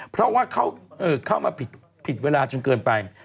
เพราะว่าเข้ามาผิดเวลาจนเกินไป